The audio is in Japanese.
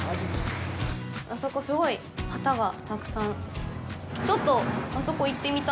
あそこ、すごい旗がたくさん。